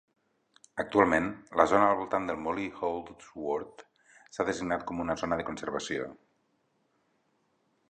Actualment, la zona al voltant del molí Houldsworth s'ha designat com una zona de conservació.